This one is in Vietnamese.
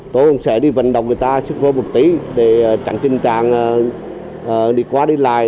tôi cũng sẽ đi vận động người ta sức mua một tí để tránh tình trạng đi qua đi lại